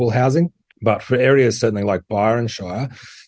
tetapi untuk kawasan seperti byron shire